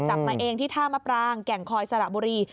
มาเองที่ท่ามะปรางแก่งคอยสระบุรี